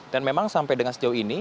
memang sampai dengan sejauh ini